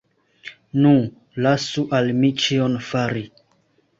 Nu, lasu al mi ĉion fari!